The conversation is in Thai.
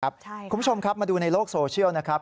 คุณผู้ชมครับมาดูในโลกโซเชียลนะครับ